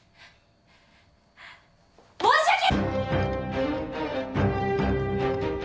申し訳！